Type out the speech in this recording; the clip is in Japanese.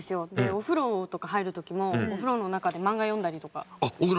お風呂とか入る時もお風呂の中で漫画読んだりとか。